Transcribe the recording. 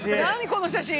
この写真！」